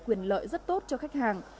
quyền lợi rất tốt cho khách hàng